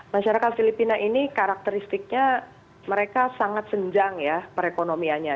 masyarakat filipina ini karakteristiknya mereka sangat senjang ya perekonomianya